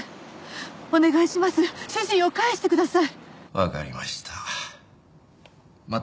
わかりました。